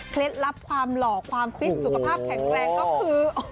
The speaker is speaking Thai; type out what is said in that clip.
ลับความหล่อความฟิตสุขภาพแข็งแรงก็คือ